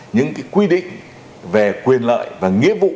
những quy định về quyền lợi và nghĩa vụ